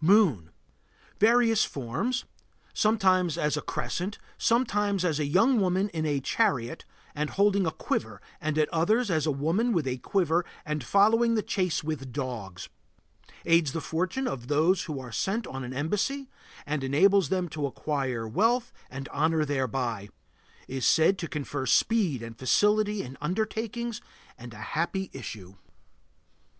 MOON. Various forms. Sometimes as a crescent, sometimes as a young woman in a chariot and holding a quiver, and at others as a woman with a quiver and following the chase with dogs. Aids the fortunes of those who are sent on an embassy, and enables them to acquire wealth and honor thereby. Is said to confer speed and facility in undertakings and a happy issue.